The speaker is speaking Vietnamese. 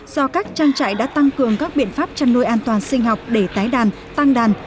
do các trang trại đã tăng cường các biện pháp chăn nuôi an toàn sinh học để tái đàn tăng đàn